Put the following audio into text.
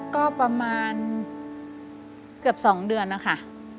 ก็ประมาณเกือบ๒เดือนนะคะ